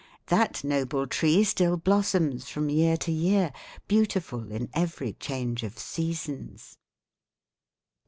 That noble tree still blossoms from year to year, beautiful in every change of seasons."